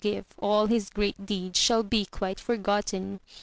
49 give all his great deeds shall be quite forgotten.